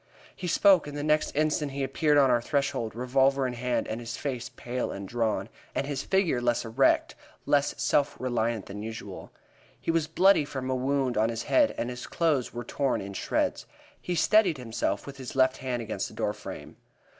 We spoke, and the next instant he appeared on our threshold, revolver in hand, with his face pale and drawn, and his figure less erect, less self reliant than usual. He was bloody from a wound on his head, and his clothes were torn in shreds. He steadied himself with his left hand against the door frame.